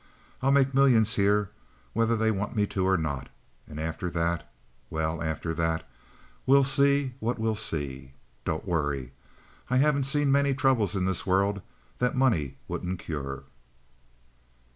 I'll make millions here, whether they want me to or not, and after that—well, after that, we'll see what we'll see. Don't worry. I haven't seen many troubles in this world that money wouldn't cure."